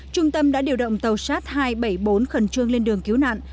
trung tâm đã điều động tàu shat hai trăm bảy mươi bốn khẩn trương lên đường cứu nạn